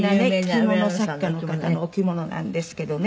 着物作家の方のお着物なんですけどね。